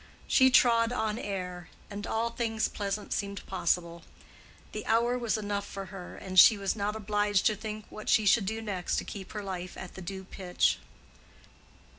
She trod on air, and all things pleasant seemed possible. The hour was enough for her, and she was not obliged to think what she should do next to keep her life at the due pitch.